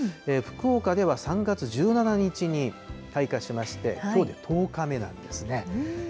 福岡では３月１７日に開花しまして、きょうで１０日目なんですね。